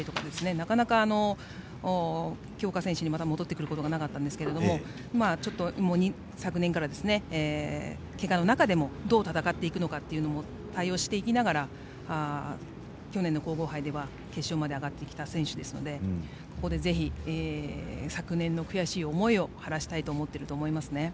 なかなか強化選手にまた戻ってくることがなかったんですけれども昨年から、けがの中でもどう戦っていくのか対応していきながら去年の皇后盃では決勝まで上がってきた選手ですのでここでぜひ、昨年の悔しい思いを晴らしたいと思っていると思いますね。